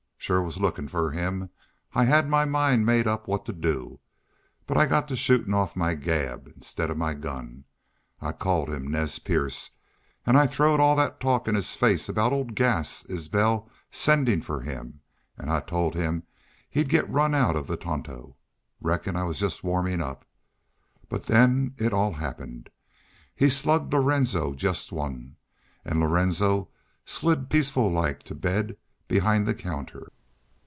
Shore was lookin' fer him. I had my mind made up what to do, but I got to shootin' off my gab instead of my gun. I called him Nez Perce an' I throwed all thet talk in his face about old Gass Isbel sendin' fer him an' I told him he'd git run out of the Tonto. Reckon I was jest warmin' up.... But then it all happened. He slugged Lorenzo jest one. An' Lorenzo slid peaceful like to bed behind the counter.